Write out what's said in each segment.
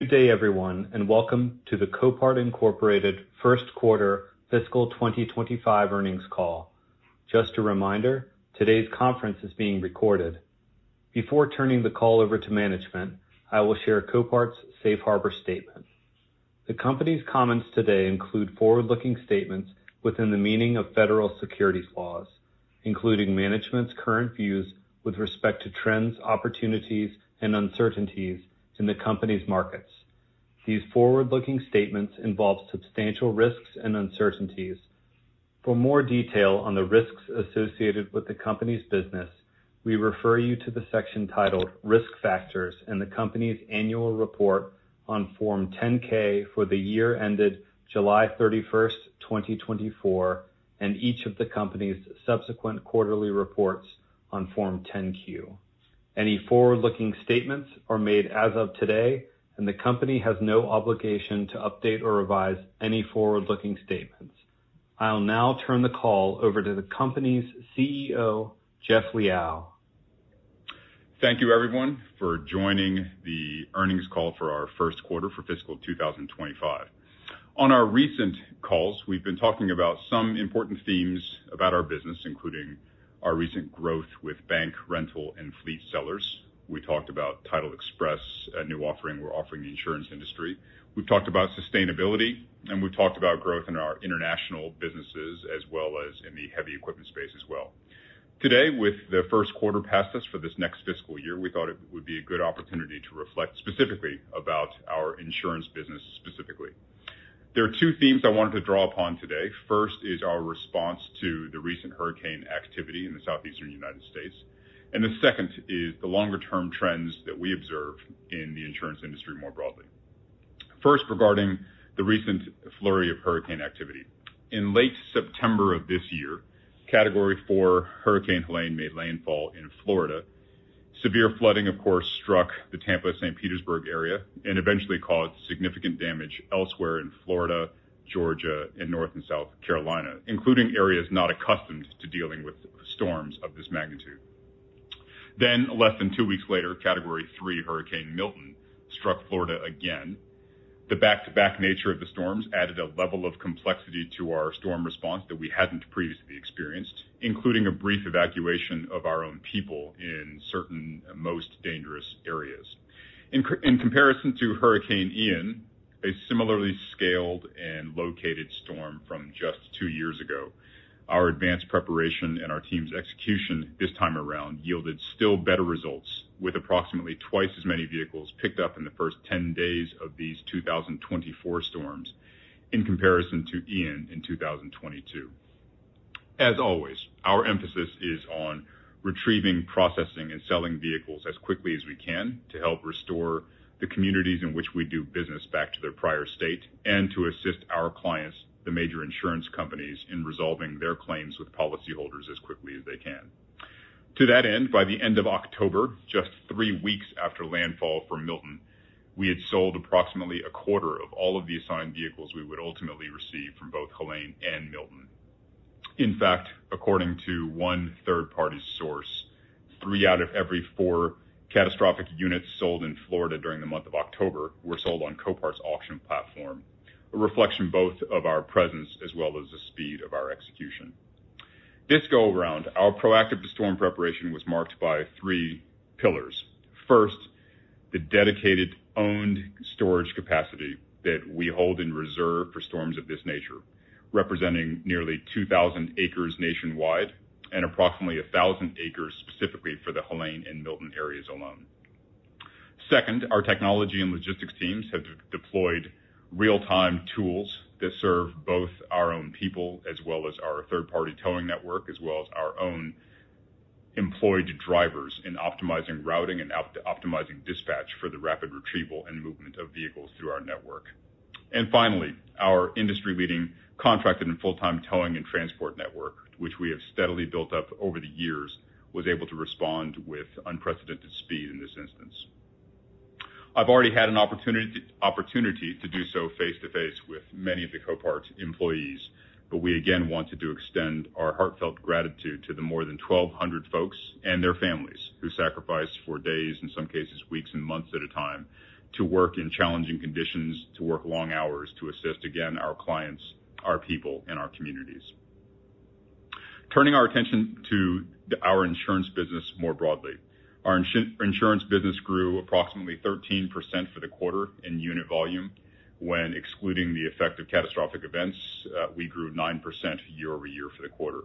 Good day, everyone, and welcome to the Copart Incorporated Q1 fiscal 2025 earnings call. Just a reminder, today's conference is being recorded. Before turning the call over to management, I will share Copart's Safe Harbor Statement. The company's comments today include forward-looking statements within the meaning of federal securities laws, including management's current views with respect to trends, opportunities, and uncertainties in the company's markets. These forward-looking statements involve substantial risks and uncertainties. For more detail on the risks associated with the company's business, we refer you to the section titled Risk Factors and the company's annual report on Form 10-K for the year ended July 31st, 2024, and each of the company's subsequent quarterly reports on Form 10-Q. Any forward-looking statements are made as of today, and the company has no obligation to update or revise any forward-looking statements. I'll now turn the call over to the company's CEO, Jeff Liaw. Thank you, everyone, for joining the earnings call for our Q1 for fiscal 2025. On our recent calls, we've been talking about some important themes about our business, including our recent growth with bank, rental, and fleet sellers. We talked about Title Express, a new offering we're offering the insurance industry. We've talked about sustainability, and we've talked about growth in our international businesses as well as in the heavy equipment space as well. Today, with the Q1 past us for this next fiscal year, we thought it would be a good opportunity to reflect specifically about our insurance business specifically. There are two themes I wanted to draw upon today. First is our response to the recent hurricane activity in the southeastern United States, and the second is the longer-term trends that we observe in the insurance industry more broadly. First, regarding the recent flurry of hurricane activity. In late September of this year, Category 4 Hurricane Helene made landfall in Florida. Severe flooding, of course, struck the Tampa-St. Petersburg area and eventually caused significant damage elsewhere in Florida, Georgia, and northern South Carolina, including areas not accustomed to dealing with storms of this magnitude. Then, less than two weeks later, Category 3 Hurricane Milton struck Florida again. The back-to-back nature of the storms added a level of complexity to our storm response that we hadn't previously experienced, including a brief evacuation of our own people in certain most dangerous areas. In comparison to Hurricane Ian, a similarly scaled and located storm from just two years ago, our advanced preparation and our team's execution this time around yielded still better results, with approximately twice as many vehicles picked up in the first 10 days of these 2024 storms in comparison to Ian in 2022. As always, our emphasis is on retrieving, processing, and selling vehicles as quickly as we can to help restore the communities in which we do business back to their prior state and to assist our clients, the major insurance companies, in resolving their claims with policyholders as quickly as they can. To that end, by the end of October, just three weeks after landfall for Milton, we had sold approximately a quarter of all of the assigned vehicles we would ultimately receive from both Helene and Milton. In fact, according to one third-party source, three out of every four catastrophic units sold in Florida during the month of October were sold on Copart's auction platform, a reflection both of our presence as well as the speed of our execution. This go around, our proactive storm preparation was marked by three pillars. First, the dedicated owned storage capacity that we hold in reserve for storms of this nature, representing nearly 2,000 acres nationwide and approximately 1,000 acres specifically for the Helene and Milton areas alone. Second, our technology and logistics teams have deployed real-time tools that serve both our own people as well as our third-party towing network, as well as our own employed drivers in optimizing routing and optimizing dispatch for the rapid retrieval and movement of vehicles through our network. Finally, our industry-leading contracted and full-time towing and transport network, which we have steadily built up over the years, was able to respond with unprecedented speed in this instance. I've already had an opportunity to do so face-to-face with many of the Copart employees, but we again wanted to extend our heartfelt gratitude to the more than 1,200 folks and their families who sacrificed for days, in some cases weeks and months at a time, to work in challenging conditions, to work long hours to assist, again, our clients, our people, and our communities. Turning our attention to our insurance business more broadly, our insurance business grew approximately 13% for the quarter in unit volume. When excluding the effect of catastrophic events, we grew 9% year over year for the quarter.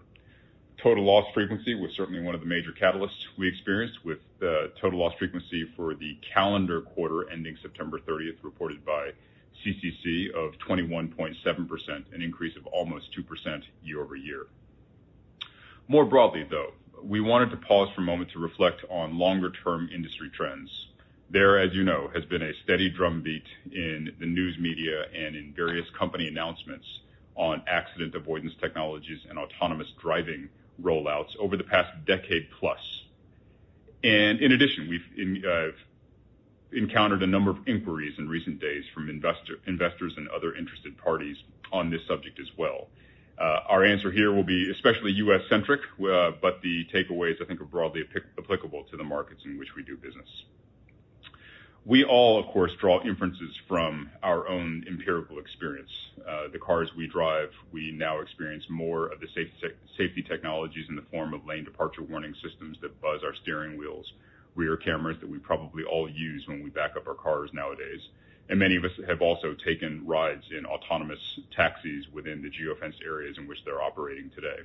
Total loss frequency was certainly one of the major catalysts we experienced, with total loss frequency for the calendar quarter ending September 30th, reported by CCC, of 21.7%, an increase of almost 2% year over year. More broadly, though, we wanted to pause for a moment to reflect on longer-term industry trends. There, as you know, has been a steady drumbeat in the news media and in various company announcements on accident avoidance technologies and autonomous driving rollouts over the past decade plus. And in addition, we've encountered a number of inquiries in recent days from investors and other interested parties on this subject as well. Our answer here will be especially U.S.-centric, but the takeaways, I think, are broadly applicable to the markets in which we do business. We all, of course, draw inferences from our own empirical experience. The cars we drive, we now experience more of the safety technologies in the form of lane departure warning systems that buzz our steering wheels, rear cameras that we probably all use when we back up our cars nowadays, and many of us have also taken rides in autonomous taxis within the geofenced areas in which they're operating today.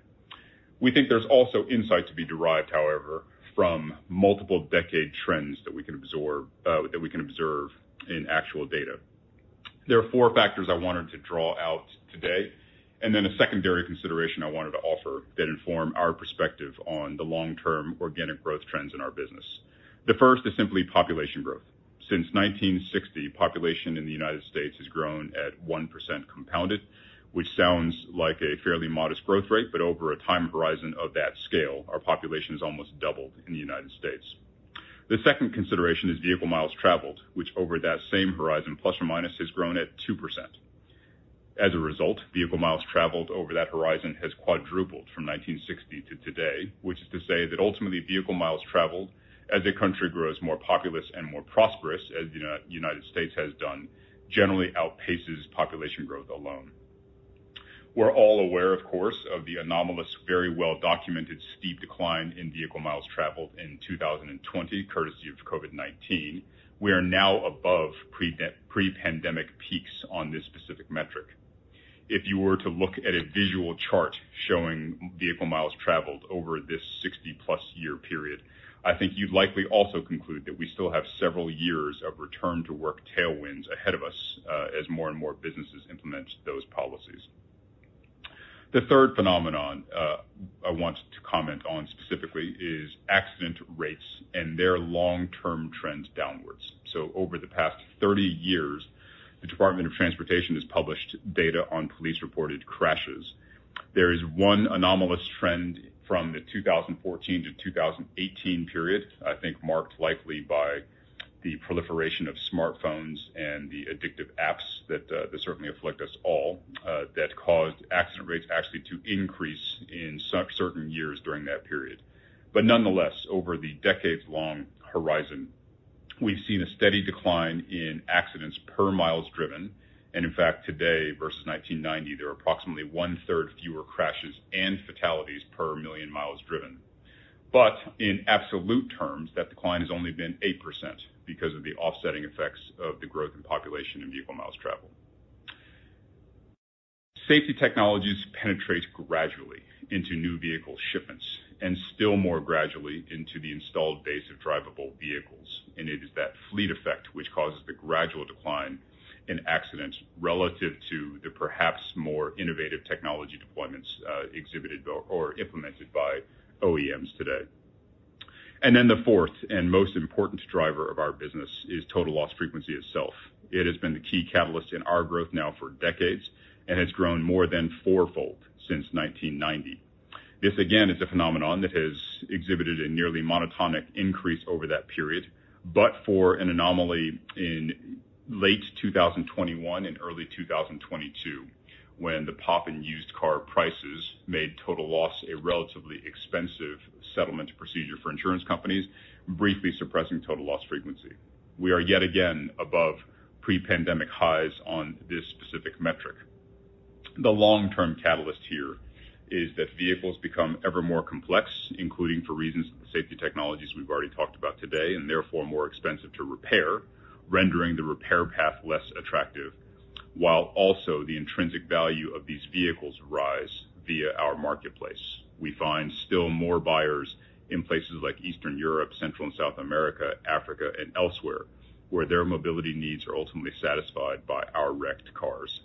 We think there's also insight to be derived, however, from multiple decade trends that we can absorb, that we can observe in actual data. There are four factors I wanted to draw out today, and then a secondary consideration I wanted to offer that inform our perspective on the long-term organic growth trends in our business. The first is simply population growth. Since 1960, population in the United States has grown at 1% compounded, which sounds like a fairly modest growth rate, but over a time horizon of that scale, our population has almost doubled in the United States. The second consideration is vehicle miles traveled, which over that same horizon, plus or minus, has grown at 2%. As a result, vehicle miles traveled over that horizon has quadrupled from 1960 to today, which is to say that ultimately vehicle miles traveled, as a country grows more populous and more prosperous, as the United States has done, generally outpaces population growth alone. We're all aware, of course, of the anomalous, very well-documented steep decline in vehicle miles traveled in 2020, courtesy of COVID-19. We are now above pre-pandemic peaks on this specific metric. If you were to look at a visual chart showing vehicle miles traveled over this 60-plus year period, I think you'd likely also conclude that we still have several years of return-to-work tailwinds ahead of us as more and more businesses implement those policies. The third phenomenon I want to comment on specifically is accident rates and their long-term trends downwards. So over the past 30 years, the Department of Transportation has published data on police-reported crashes. There is one anomalous trend from the 2014 to 2018 period, I think marked likely by the proliferation of smartphones and the addictive apps that certainly afflict us all, that caused accident rates actually to increase in certain years during that period. But nonetheless, over the decades-long horizon, we've seen a steady decline in accidents per miles driven. In fact, today versus 1990, there are approximately one-third fewer crashes and fatalities per million miles driven. But in absolute terms, that decline has only been 8% because of the offsetting effects of the growth in population and vehicle miles traveled. Safety technologies penetrate gradually into new vehicle shipments and still more gradually into the installed base of drivable vehicles. And it is that fleet effect which causes the gradual decline in accidents relative to the perhaps more innovative technology deployments exhibited or implemented by OEMs today. And then the fourth and most important driver of our business is total loss frequency itself. It has been the key catalyst in our growth now for decades and has grown more than fourfold since 1990. This, again, is a phenomenon that has exhibited a nearly monotonic increase over that period. But for an anomaly in late 2021 and early 2022, when the pop in used car prices made total loss a relatively expensive settlement procedure for insurance companies, briefly suppressing total loss frequency, we are yet again above pre-pandemic highs on this specific metric. The long-term catalyst here is that vehicles become ever more complex, including for reasons that the safety technologies we've already talked about today and therefore more expensive to repair, rendering the repair path less attractive, while also the intrinsic value of these vehicles rises via our marketplace. We find still more buyers in places like Eastern Europe, Central and South America, Africa, and elsewhere where their mobility needs are ultimately satisfied by our wrecked cars.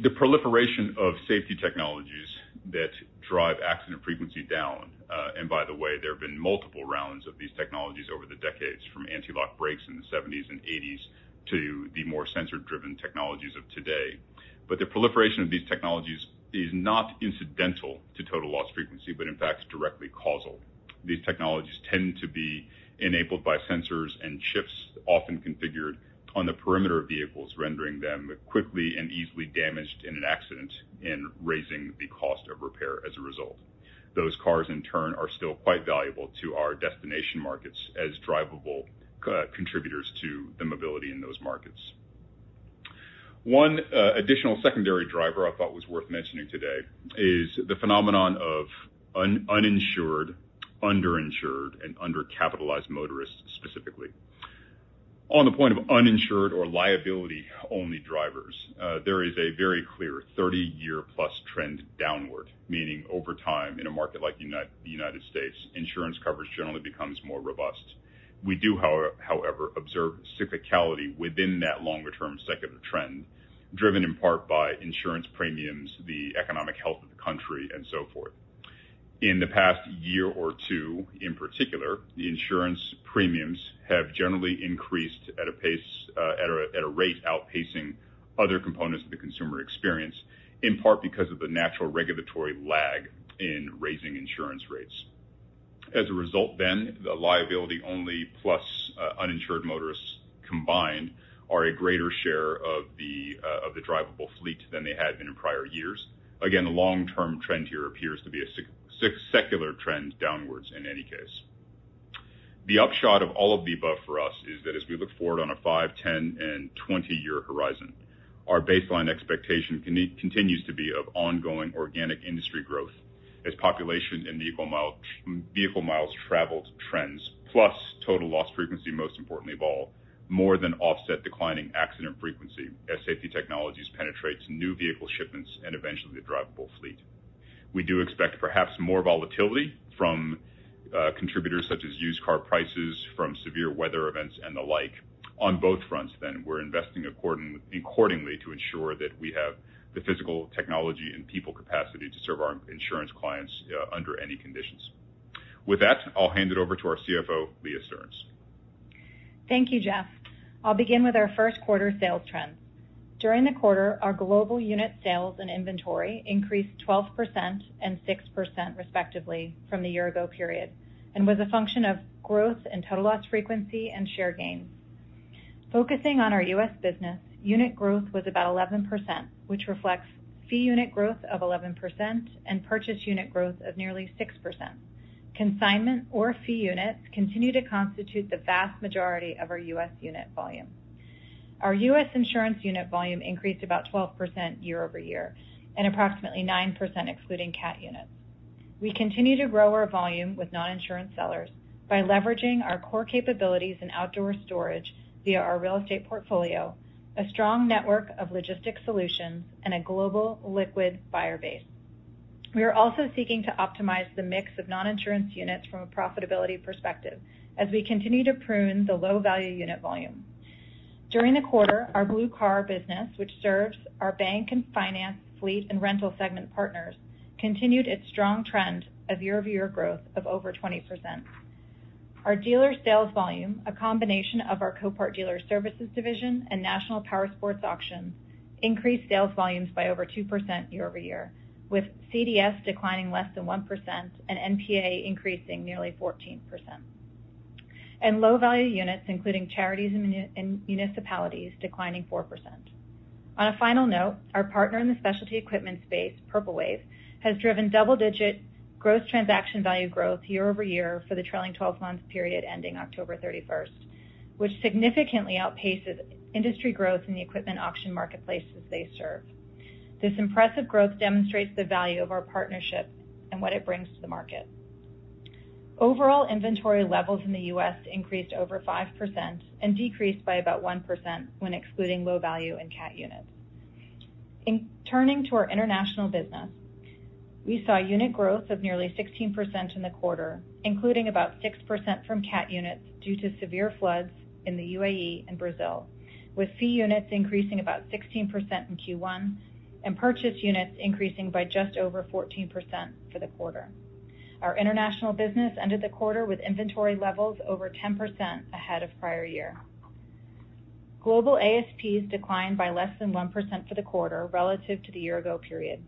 The proliferation of safety technologies that drive accident frequency down, and by the way, there have been multiple rounds of these technologies over the decades, from anti-lock brakes in the '70s and '80s to the more sensor-driven technologies of today. But the proliferation of these technologies is not incidental to total loss frequency, but in fact, directly causal. These technologies tend to be enabled by sensors and chips, often configured on the perimeter of vehicles, rendering them quickly and easily damaged in an accident and raising the cost of repair as a result. Those cars, in turn, are still quite valuable to our destination markets as drivable contributors to the mobility in those markets. One additional secondary driver I thought was worth mentioning today is the phenomenon of uninsured, underinsured, and undercapitalized motorists specifically. On the point of uninsured or liability-only drivers, there is a very clear 30-year-plus trend downward, meaning over time in a market like the United States, insurance coverage generally becomes more robust. We do, however, observe cyclicality within that longer-term secondary trend, driven in part by insurance premiums, the economic health of the country, and so forth. In the past year or two, in particular, the insurance premiums have generally increased at a pace, at a rate outpacing other components of the consumer experience, in part because of the natural regulatory lag in raising insurance rates. As a result, then, the liability-only plus uninsured motorists combined are a greater share of the drivable fleet than they had been in prior years. Again, the long-term trend here appears to be a secular trend downwards in any case. The upshot of all of the above for us is that as we look forward on a 5, 10, and 20-year horizon, our baseline expectation continues to be of ongoing organic industry growth as population and vehicle miles traveled trends, plus total loss frequency, most importantly of all, more than offset declining accident frequency as safety technologies penetrate new vehicle shipments and eventually the drivable fleet. We do expect perhaps more volatility from contributors such as used car prices, from severe weather events, and the like. On both fronts, then, we're investing accordingly to ensure that we have the physical technology and people capacity to serve our insurance clients under any conditions. With that, I'll hand it over to our CFO, Leah Stearns. Thank you, Jeff. I'll begin with our Q1 sales trends. During the quarter, our global unit sales and inventory increased 12% and 6% respectively from the year-ago period and was a function of growth in total loss frequency and share gains. Focusing on our U.S. business, unit growth was about 11%, which reflects fee unit growth of 11% and purchase unit growth of nearly 6%. Consignment or fee units continue to constitute the vast majority of our U.S. unit volume. Our U.S. insurance unit volume increased about 12% year over year and approximately 9% excluding CAT units. We continue to grow our volume with non-insurance sellers by leveraging our core capabilities in outdoor storage via our real estate portfolio, a strong network of logistics solutions, and a global liquid buyer base. We are also seeking to optimize the mix of non-insurance units from a profitability perspective as we continue to prune the low-value unit volume. During the quarter, our Blue Car business, which serves our bank and finance fleet and rental segment partners, continued its strong trend of year-over-year growth of over 20%. Our dealer sales volume, a combination of our Copart Dealer Services division and National Powersport Auctions, increased sales volumes by over 2% year over year, with CDS declining less than 1% and NPA increasing nearly 14%. Low-value units, including charities and municipalities, declining 4%. On a final note, our partner in the specialty equipment space, Purple Wave, has driven double-digit gross transaction value growth year over year for the trailing 12-month period ending October 31st, which significantly outpaces industry growth in the equipment auction marketplaces they serve. This impressive growth demonstrates the value of our partnership and what it brings to the market. Overall, inventory levels in the U.S. Increased over 5% and decreased by about 1% when excluding low-value and CAT units. Turning to our international business, we saw unit growth of nearly 16% in the quarter, including about 6% from CAT units due to severe floods in the UAE and Brazil, with fee units increasing about 16% in Q1 and purchase units increasing by just over 14% for the quarter. Our international business ended the quarter with inventory levels over 10% ahead of prior year. Global ASPs declined by less than 1% for the quarter relative to the year-ago period.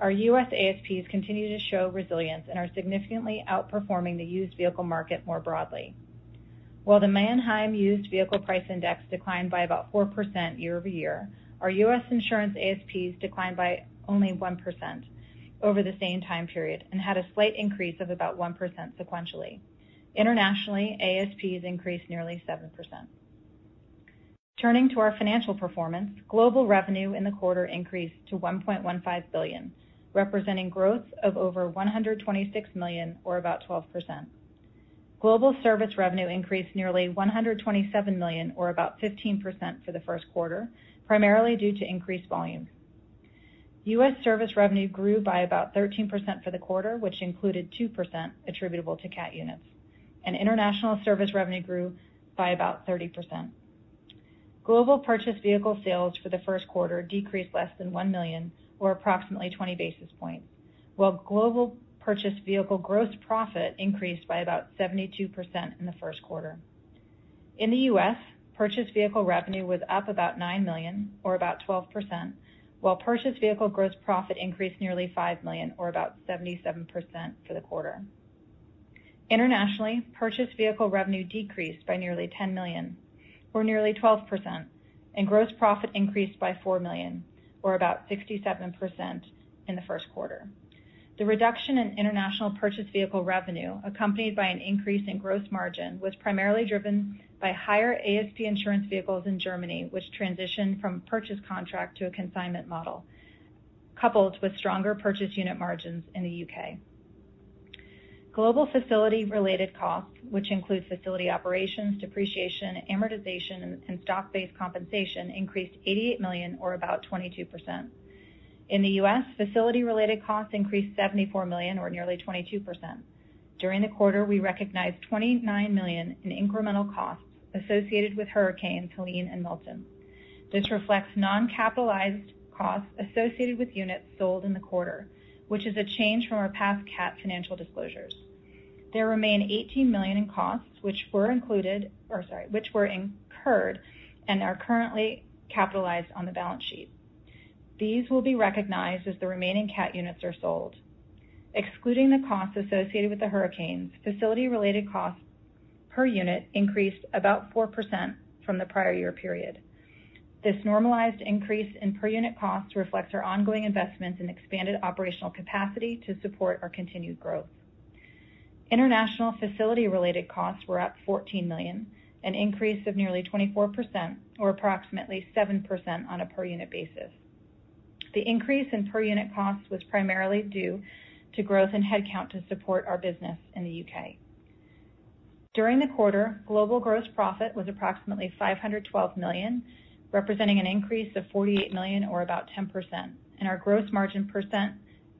Our U.S. ASPs continue to show resilience and are significantly outperforming the used vehicle market more broadly. While the Manheim used vehicle price index declined by about 4% year over year, our U.S. insurance ASPs declined by only 1% over the same time period and had a slight increase of about 1% sequentially. Internationally, ASPs increased nearly 7%. Turning to our financial performance, global revenue in the quarter increased to $1.15 billion, representing growth of over $126 million, or about 12%. Global service revenue increased nearly $127 million, or about 15% for the Q1, primarily due to increased volumes. U.S. service revenue grew by about 13% for the quarter, which included 2% attributable to CAT units. And international service revenue grew by about 30%. Global purchase vehicle sales for the Q1 decreased less than $1 million, or approximately 20 basis points, while global purchase vehicle gross profit increased by about 72% in the Q1. In the U.S., purchase vehicle revenue was up about $9 million, or about 12%, while purchase vehicle gross profit increased nearly $5 million, or about 77% for the quarter. Internationally, purchase vehicle revenue decreased by nearly $10 million, or nearly 12%, and gross profit increased by $4 million, or about 67% in the Q1. The reduction in international purchase vehicle revenue, accompanied by an increase in gross margin, was primarily driven by higher ASP insurance vehicles in Germany, which transitioned from purchase contract to a consignment model, coupled with stronger purchase unit margins in the U.K. Global facility-related costs, which include facility operations, depreciation, amortization, and stock-based compensation, increased $88 million, or about 22%. In the U.S., facility-related costs increased $74 million, or nearly 22%. During the quarter, we recognized $29 million in incremental costs associated with hurricanes Helene and Milton. This reflects non-capitalized costs associated with units sold in the quarter, which is a change from our past CAT financial disclosures. There remain $18 million in costs which were incurred and are currently capitalized on the balance sheet. These will be recognized as the remaining CAT units are sold. Excluding the costs associated with the hurricanes, facility-related costs per unit increased about 4% from the prior year period. This normalized increase in per-unit costs reflects our ongoing investments and expanded operational capacity to support our continued growth. International facility-related costs were up $14 million, an increase of nearly 24%, or approximately 7% on a per-unit basis. The increase in per-unit costs was primarily due to growth in headcount to support our business in the U.K. During the quarter, global gross profit was approximately $512 million, representing an increase of $48 million, or about 10%, and our gross margin percent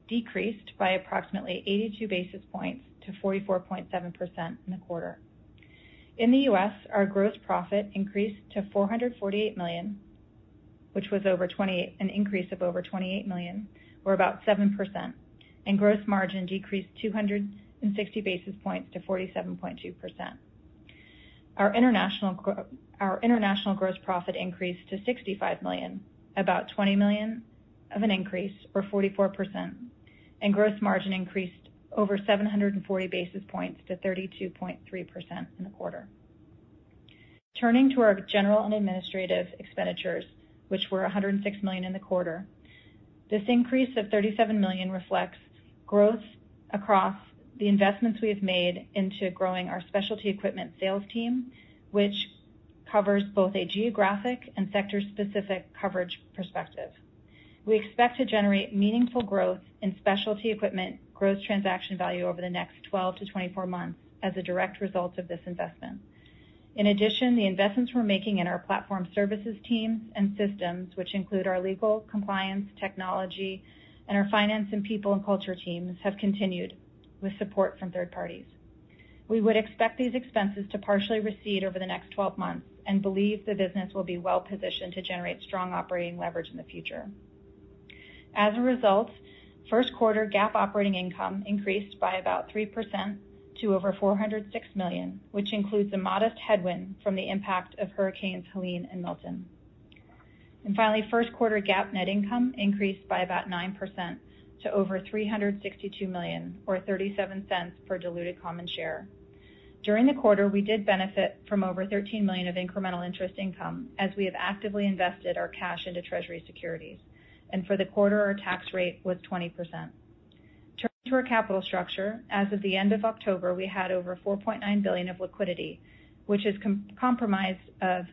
decreased by approximately 82 basis points to 44.7% in the quarter. In the U.S., our Gross Profit increased to $448 million, which was an increase of over $28 million, or about 7%. And Gross Margin decreased 260 basis points to 47.2%. Our international Gross Profit increased to $65 million, about $20 million of an increase, or 44%. And Gross Margin increased over 740 basis points to 32.3% in the quarter. Turning to our General and Administrative expenditures, which were $106 million in the quarter, this increase of $37 million reflects growth across the investments we have made into growing our specialty equipment sales team, which covers both a geographic and sector-specific coverage perspective. We expect to generate meaningful growth in specialty equipment Gross Transaction Value over the next 12 to 24 months as a direct result of this investment. In addition, the investments we're making in our platform services teams and systems, which include our legal, compliance, technology, and our finance and people and culture teams, have continued with support from third parties. We would expect these expenses to partially recede over the next 12 months and believe the business will be well-positioned to generate strong operating leverage in the future. As a result, Q1 GAAP operating income increased by about 3% to over $406 million, which includes a modest headwind from the impact of Hurricane Helene and Milton. And finally, Q1 GAAP net income increased by about 9% to over $362 million, or $0.37 per diluted common share. During the quarter, we did benefit from over $13 million of incremental interest income as we have actively invested our cash into Treasury securities. And for the quarter, our tax rate was 20%. Turning to our capital structure, as of the end of October, we had over $4.9 billion of liquidity, which is comprised of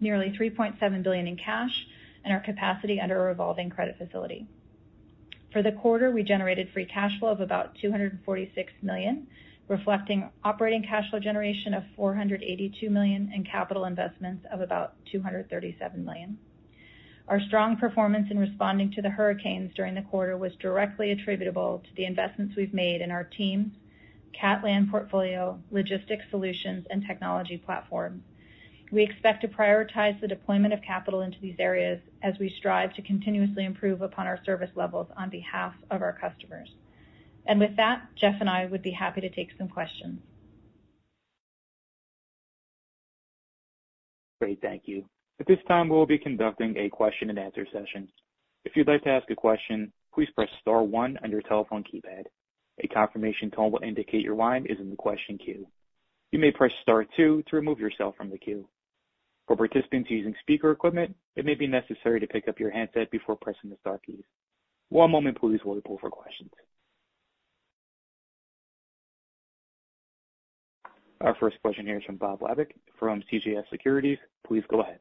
nearly $3.7 billion in cash and our capacity under a revolving credit facility. For the quarter, we generated free cash flow of about $246 million, reflecting operating cash flow generation of $482 million and capital investments of about $237 million. Our strong performance in responding to the Hurricanes during the quarter was directly attributable to the investments we've made in our teams, CAT land portfolio, logistics solutions, and technology platforms. We expect to prioritize the deployment of capital into these areas as we strive to continuously improve upon our service levels on behalf of our customers. And with that, Jeff and I would be happy to take some questions. Great. Thank you. At this time, we'll be conducting a question-and-answer session. If you'd like to ask a question, please press Star 1 on your telephone keypad. A confirmation tone will indicate your line is in the question queue. You may press Star 2 to remove yourself from the queue. For participants using speaker equipment, it may be necessary to pick up your handset before pressing the Star keys. One moment, please, while we pull for questions. Our first question here is from Bob Labick from CJS Securities. Please go ahead.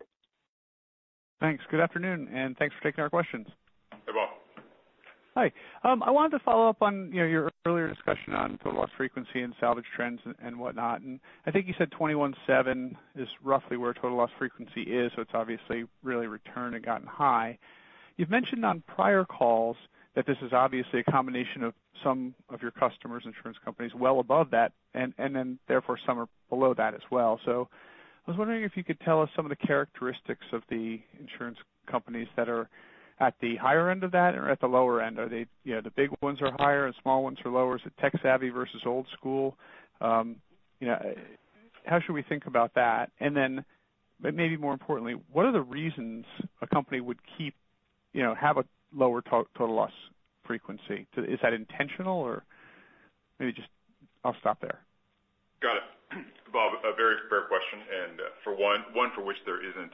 Thanks. Good afternoon, and thanks for taking our questions. Hey, Bob. Hi. I wanted to follow up on your earlier discussion on total loss frequency and salvage trends and whatnot. And I think you said 21.7 is roughly where total loss frequency is, so it's obviously really returned and gotten high. You've mentioned on prior calls that this is obviously a combination of some of your customers, insurance companies, well above that, and then therefore some are below that as well. So I was wondering if you could tell us some of the characteristics of the insurance companies that are at the higher end of that or at the lower end. Are they, you know, the big ones are higher and small ones are lower? Is it tech-savvy versus old school? How should we think about that? And then, maybe more importantly, what are the reasons a company would keep, you know, have a lower total loss frequency? Is that intentional, or maybe just I'll stop there. Got it. Bob, a very fair question. And for one, one for which there isn't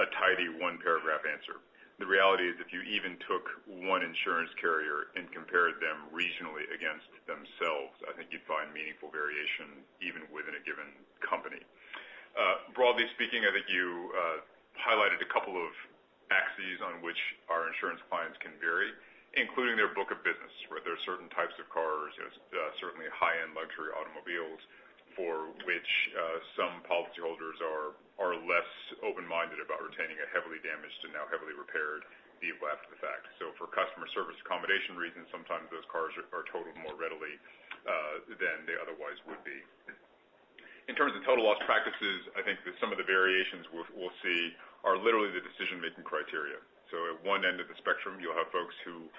a tidy one-paragraph answer. The reality is if you even took one insurance carrier and compared them regionally against themselves, I think you'd find meaningful variation even within a given company. Broadly speaking, I think you highlighted a couple of axes on which our insurance clients can vary, including their book of business, right? There are certain types of cars, certainly high-end luxury automobiles, for which some policyholders are less open-minded about retaining a heavily damaged and now heavily repaired vehicle after the fact. So for customer service accommodation reasons, sometimes those cars are totaled more readily than they otherwise would be. In terms of total loss practices, I think that some of the variations we'll see are literally the decision-making criteria. At one end of the spectrum, you'll have folks who,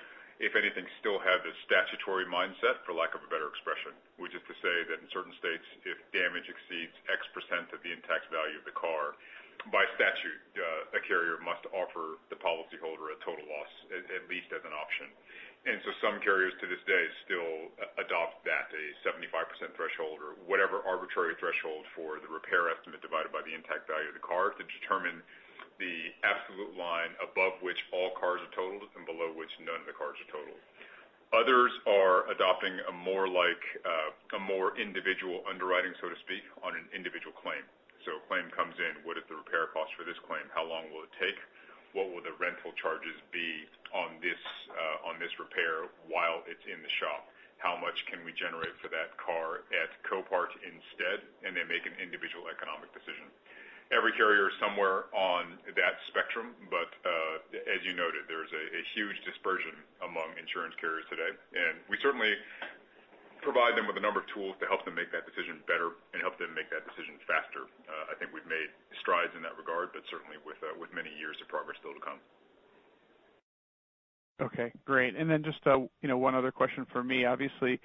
if anything, still have the statutory mindset, for lack of a better expression, which is to say that in certain states, if damage exceeds X% of the intact value of the car, by statute, a carrier must offer the policyholder a total loss, at least as an option, and so some carriers to this day still adopt that, a 75% threshold or whatever arbitrary threshold for the repair estimate divided by the intact value of the car to determine the absolute line above which all cars are totaled and below which none of the cars are totaled. Others are adopting a more individual underwriting, so to speak, on an individual claim, so a claim comes in: what is the repair cost for this claim? How long will it take? What will the rental charges be on this repair while it's in the shop? How much can we generate for that car at Copart instead? And they make an individual economic decision. Every carrier is somewhere on that spectrum, but as you noted, there's a huge dispersion among insurance carriers today. And we certainly provide them with a number of tools to help them make that decision better and help them make that decision faster. I think we've made strides in that regard, but certainly with many years of progress still to come. Okay. Great. And then just one other question for me. Obviously,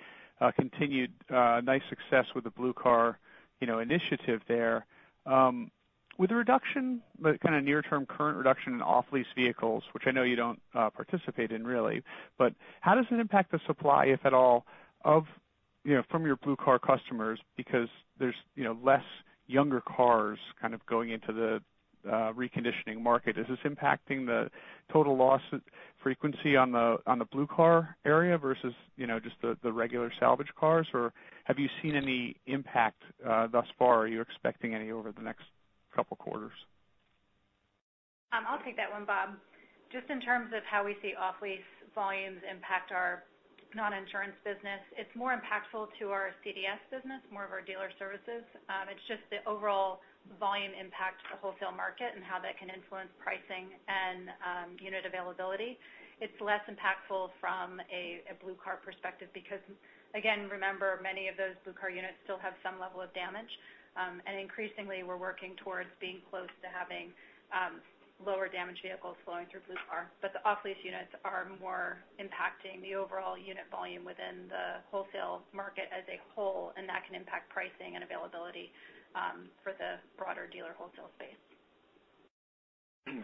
continued nice success with the Blue Car initiative there. With the reduction, the kind of near-term current reduction in off-lease vehicles, which I know you don't participate in really, but how does it impact the supply, if at all, from your Blue Car customers? Because there's less younger cars kind of going into the reconditioning market. Is this impacting the total loss frequency on the Blue Car area versus just the regular salvage cars? Or have you seen any impact thus far? Are you expecting any over the next couple of quarters? I'll take that one, Bob. Just in terms of how we see off-lease volumes impact our non-insurance business, it's more impactful to our CDS business, more of our dealer services. It's just the overall volume impact to the wholesale market and how that can influence pricing and unit availability. It's less impactful from a Blue Car perspective because, again, remember, many of those Blue Car units still have some level of damage. And increasingly, we're working towards being close to having lower damage vehicles flowing through Blue Car. But the off-lease units are more impacting the overall unit volume within the wholesale market as a whole, and that can impact pricing and availability for the broader dealer wholesale space.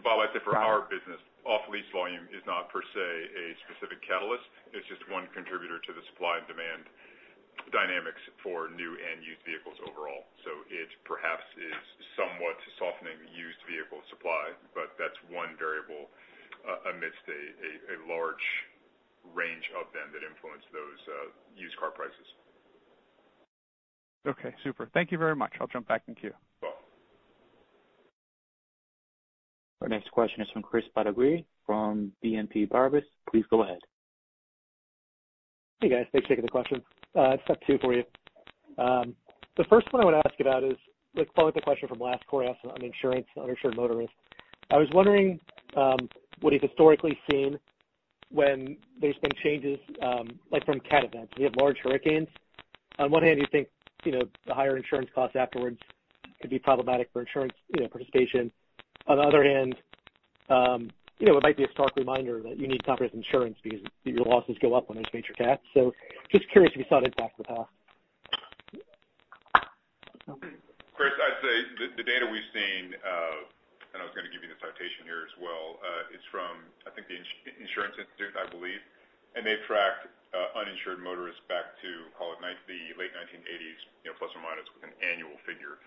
Bob, I'd say for our business, off-lease volume is not per se a specific catalyst. It's just one contributor to the supply and demand dynamics for new and used vehicles overall. So it perhaps is somewhat softening used vehicle supply, but that's one variable amidst a large range of them that influence those used car prices. Okay. Super. Thank you very much. I'll jump back into you. Our next question is from Chris Bottiglieri from BNP Paribas. Please go ahead. Hey, guys. Thanks for taking the question. Step two for you. The first one I want to ask about is, following the question from last, Corey asked on insurance and uninsured motorists, I was wondering what you've historically seen when there's been changes from CAT events. We have large hurricanes. On one hand, you think the higher insurance costs afterwards could be problematic for insurance participation. On the other hand, it might be a stark reminder that you need comprehensive insurance because your losses go up on those major CATs. So just curious if you saw an impact in the past. Chris, I'd say the data we've seen, and I was going to give you the citation here as well, is from, I think, the Insurance Institute, I believe. And they've tracked uninsured motorists back to, call it, the late 1980s, plus or minus with an annual figure.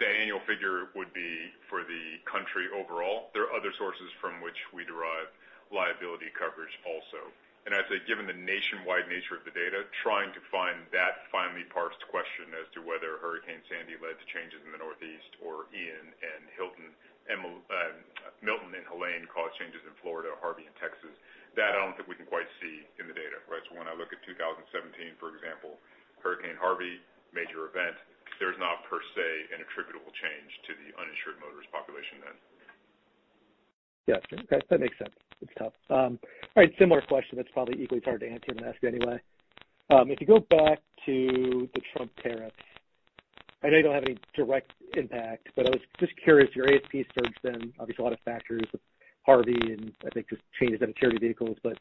That annual figure would be for the country overall. There are other sources from which we derive liability coverage also. And I'd say, given the nationwide nature of the data, trying to find that finely parsed question as to whether Hurricane Sandy led to changes in the Northeast or Ian and Milton, Milton and Helene caused changes in Florida, Harvey, and Texas, that I don't think we can quite see in the data. Right? So when I look at 2017, for example, Hurricane Harvey, major event, there's not per se an attributable change to the uninsured motorist population then. Gotcha. Okay. That makes sense. It's tough. All right. Similar question that's probably equally as hard to answer than asked anyway. If you go back to the Trump tariffs, I know you don't have any direct impact, but I was just curious. Your ASP surge then, obviously a lot of factors, Harvey, and I think just changes in maturity vehicles. But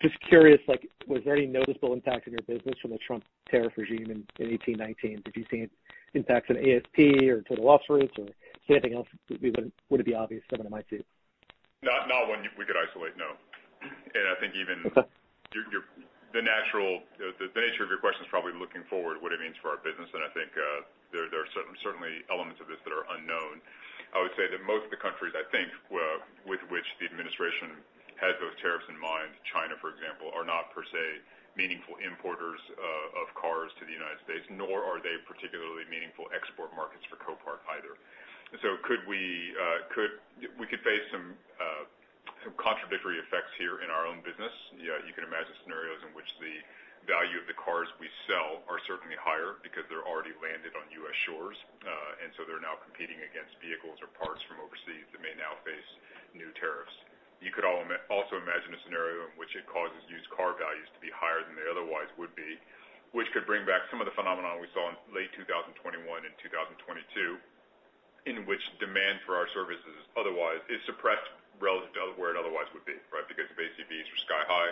just curious, was there any noticeable impact in your business from the Trump tariff regime in 2018, 2019? Did you see impacts in ASP or total loss rates or see anything else? Would it be obvious from an MIC? Not one we could isolate, no. And I think even the nature of your question is probably looking forward, what it means for our business. And I think there are certainly elements of this that are unknown. I would say that most of the countries, I think, with which the administration has those tariffs in mind, China, for example, are not per se meaningful importers of cars to the United States, nor are they particularly meaningful export markets for Copart either. And so we could face some contradictory effects here in our own business. You can imagine scenarios in which the value of the cars we sell are certainly higher because they're already landed on U.S. shores. And so they're now competing against vehicles or parts from overseas that may now face new tariffs. You could also imagine a scenario in which it causes used car values to be higher than they otherwise would be, which could bring back some of the phenomenon we saw in late 2021 and 2022, in which demand for our services otherwise is suppressed where it otherwise would be. Right? Because the ACVs are sky-high,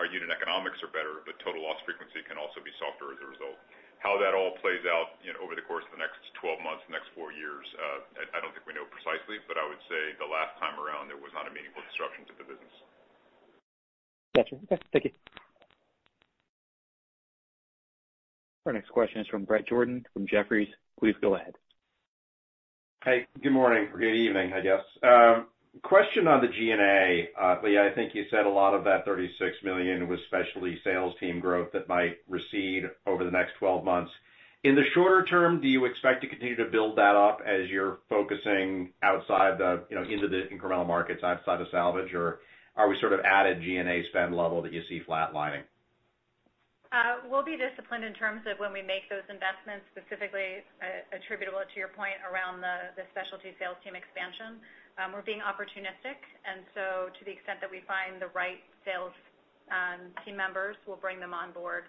our unit economics are better, but total loss frequency can also be softer as a result. How that all plays out over the course of the next 12 months, the next four years, I don't think we know precisely, but I would say the last time around, there was not a meaningful disruption to the business. Gotcha. Okay. Thank you. Our next question is from Bret Jordan from Jefferies. Please go ahead. Hey. Good morning or good evening, I guess. Question on the G&A. Leah, I think you said a lot of that $36 million was specialty sales team growth that might recede over the next 12 months. In the shorter term, do you expect to continue to build that up as you're focusing outside the into the incremental markets outside of salvage, or are we sort of at a G&A spend level that you see flatlining? We'll be disciplined in terms of when we make those investments, specifically attributable to your point around the specialty sales team expansion. We're being opportunistic. And so to the extent that we find the right sales team members, we'll bring them on board.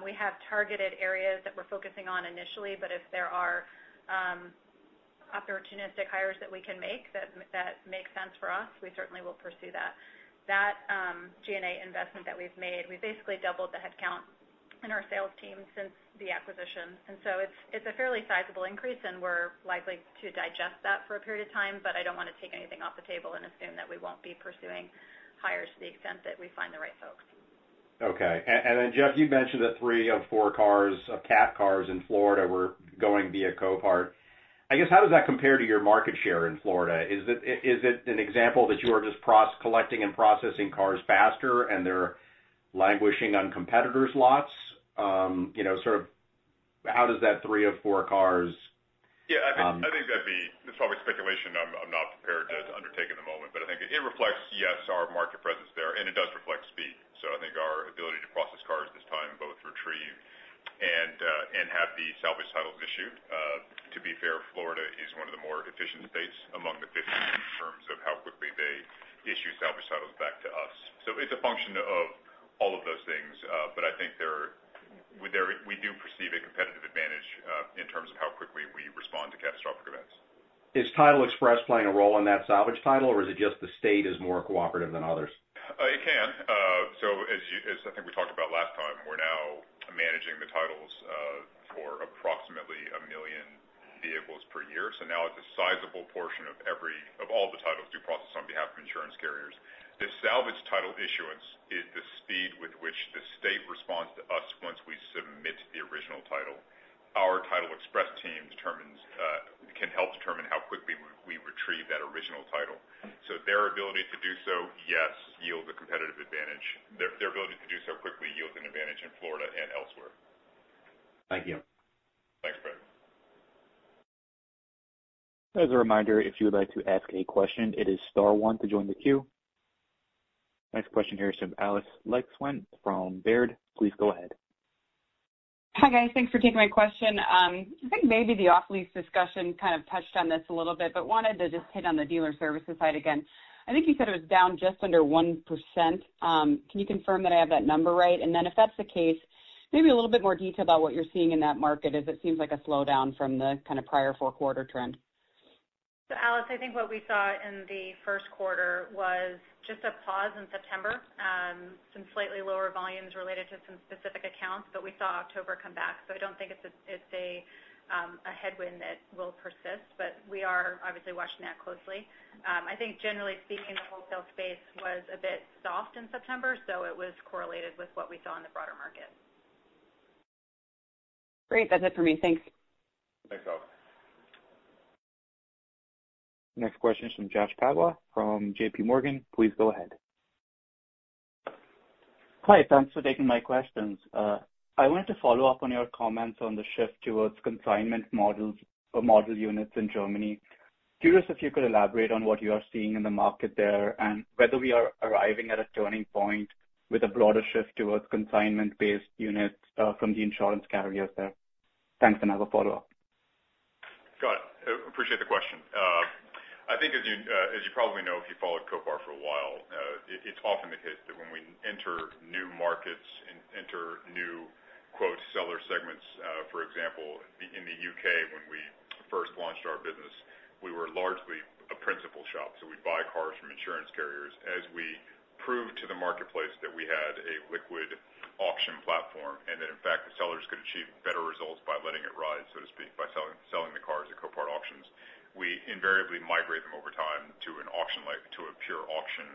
We have targeted areas that we're focusing on initially, but if there are opportunistic hires that we can make that make sense for us, we certainly will pursue that. That G&A investment that we've made, we've basically doubled the headcount in our sales team since the acquisition. And so it's a fairly sizable increase, and we're likely to digest that for a period of time, but I don't want to take anything off the table and assume that we won't be pursuing hires to the extent that we find the right folks. Okay. And then, Jeff, you mentioned that three of four cars of CAT cars in Florida were going via Copart. I guess, how does that compare to your market share in Florida? Is it an example that you are just collecting and processing cars faster and they're languishing on competitors' lots? Sort of how does that three of four cars? Yeah. I think that'd be. It's probably speculation. I'm not prepared to undertake at the moment, but I think it reflects, yes, our market presence there, and it does reflect speed. So I think our ability to process cars this time, both retrieved and have the salvage titles issued, to be fair, Florida is one of the more efficient states among the 50 in terms of how quickly they issue salvage titles back to us. It's a function of all of those things, but I think we do perceive a competitive advantage in terms of how quickly we respond to catastrophic events. Is Title Express playing a role in that salvage title, or is it just the state is more cooperative than others? It can. As I think we talked about last time, we're now managing the titles for approximately a million vehicles per year. Now it's a sizable portion of all the titles we process on behalf of insurance carriers. The salvage title issuance is the speed with which the state responds to us once we submit the original title. Our Title Express team can help determine how quickly we retrieve that original title. Their ability to do so, yes, yields a competitive advantage. Their ability to do so quickly yields an advantage in Florida and elsewhere. Thank you. Thanks, Bret. As a reminder, if you'd like to ask any question, it is star one to join the queue. Next question here is from Alice Wycklendt from Baird. Please go ahead. Hi, guys. Thanks for taking my question. I think maybe the off-lease discussion kind of touched on this a little bit, but wanted to just hit on the dealer services side again. I think you said it was down just under 1%. Can you confirm that I have that number right? And then if that's the case, maybe a little bit more detail about what you're seeing in that market as it seems like a slowdown from the kind of prior four-quarter trend. So Alice, I think what we saw in the Q1 was just a pause in September, some slightly lower volumes related to some specific accounts, but we saw October come back. So I don't think it's a headwind that will persist, but we are obviously watching that closely. I think generally speaking, the wholesale space was a bit soft in September, so it was correlated with what we saw in the broader market. Great. That's it for me. Thanks. Thanks, Bob. Next question is from Jash Patwa from JPMorgan. Please go ahead. Hi. Thanks for taking my questions. I wanted to follow up on your comments on the shift towards consignment model units in Germany. Curious if you could elaborate on what you are seeing in the market there and whether we are arriving at a turning point with a broader shift towards consignment-based units from the insurance carriers there. Thanks and have a follow-up. Got it. Appreciate the question. I think as you probably know, if you followed Copart for a while, it's often the case that when we enter new markets and enter new, quote, seller segments, for example, in the U.K., when we first launched our business, we were largely a principal shop. So we'd buy cars from insurance carriers as we proved to the marketplace that we had a liquid auction platform and that, in fact, the sellers could achieve better results by letting it rise, so to speak, by selling the cars at Copart auctions. We invariably migrate them over time to a pure auction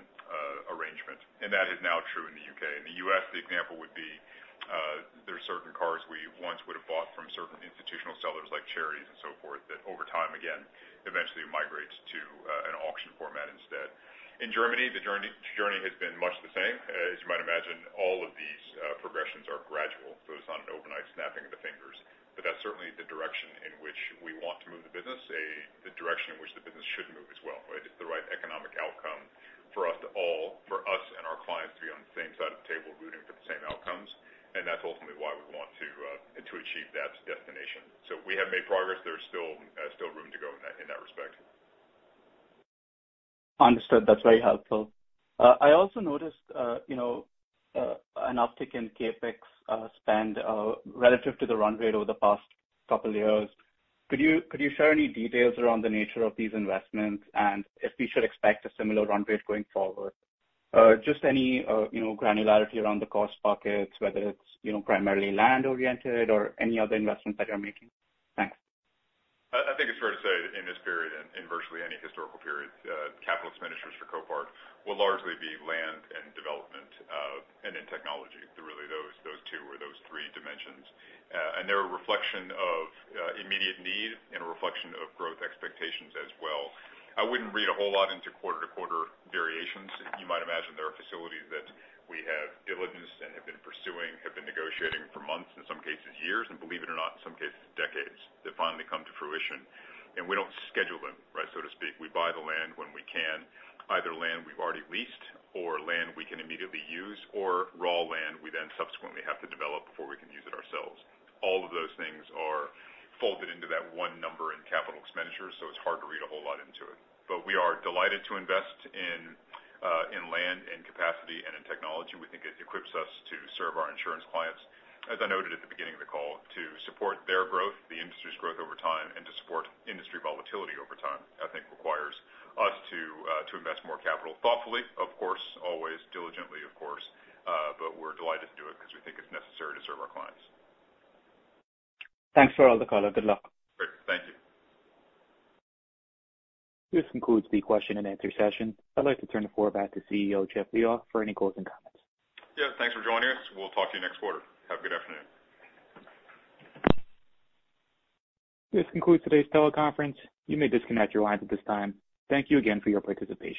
arrangement. And that is now true in the U.K. In the U.S., the example would be there are certain cars we once would have bought from certain institutional sellers like charities and so forth that over time, again, eventually migrate to an auction format instead. In Germany, the journey has been much the same. As you might imagine, all of these progressions are gradual, so it's not an overnight snapping of the fingers, but that's certainly the direction in which we want to move the business, the direction in which the business should move as well. Right? It's the right economic outcome for us and our clients to be on the same side of the table rooting for the same outcomes, and that's ultimately why we want to achieve that destination, so we have made progress. There's still room to go in that respect. Understood. That's very helpful. I also noticed an uptick in CapEx spend relative to the run rate over the past couple of years. Could you share any details around the nature of these investments and if we should expect a similar run rate going forward? Just any granularity around the cost pockets, whether it's primarily land-oriented or any other investments that you're making? Thanks. I think it's fair to say in this period and virtually any historical period, capital expenditures for Copart will largely be land and development and then technology. Really, those two or those three dimensions. And they're a reflection of immediate need and a reflection of growth expectations as well. I wouldn't read a whole lot into quarter-to-quarter variations. You might imagine there are facilities that we have diligence and have been pursuing, have been negotiating for months, in some cases years, and believe it or not, in some cases decades, that finally come to fruition. And we don't schedule them, right, so to speak. We buy the land when we can, either land we've already leased or land we can immediately use or raw land we then subsequently have to develop before we can use it ourselves. All of those things are folded into that one number in capital expenditures, so it's hard to read a whole lot into it. But we are delighted to invest in land and capacity and in technology. We think it equips us to serve our insurance clients. As I noted at the beginning of the call, to support their growth, the industry's growth over time, and to support industry volatility over time, I think requires us to invest more capital thoughtfully, of course, always diligently, of course. But we're delighted to do it because we think it's necessary to serve our clients. Thanks for all the color. Good luck. Great. Thank you. This concludes the question and answer session. I'd like to turn the floor back to CEO Jeff Liaw for any closing comments. Yeah. Thanks for joining us. We'll talk to you next quarter. Have a good afternoon. This concludes today's teleconference. You may disconnect your lines at this time. Thank you again for your participation.